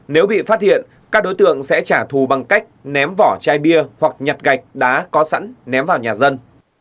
nếu bị phát hiện các đối tượng sẽ trả thù bằng cách ném vỏ chai bia hoặc nhặt gạch đá có sẵn ném vào nhà dân